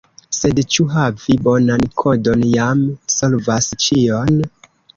Sed ĉu havi bonan kodon jam solvas ĉion?